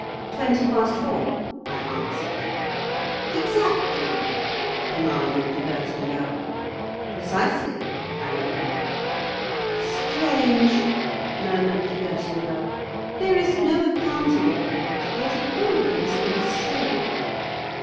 "Twenty past four," I answered. "Exactly?" demanded the Girton Girl. "Precisely," I replied. "Strange," murmured the Girton Girl. "There is no accounting for it, yet it always is so."